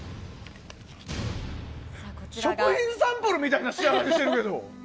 食品サンプルみたいな仕上がりしてるけど。